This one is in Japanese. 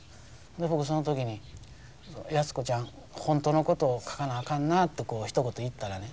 僕その時に「安子ちゃん本当のことを書かなあかんな」とひと言言ったらね